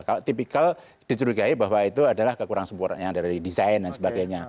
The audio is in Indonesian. kalau tipikal dicurigai bahwa itu adalah kekurang sempurnaan dari desain dan sebagainya